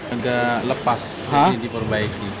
agak lepas ini diperbaiki